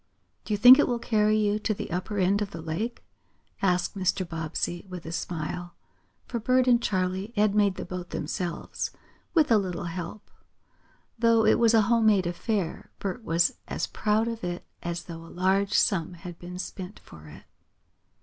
"Do you think it will carry you to the upper end of the lake?" asked Mr. Bobbsey with a smile, for Bert and Charley had made the boat themselves, with a little help. Though it was a home made affair, Bert was as proud of it as though a large sum had been spent for it.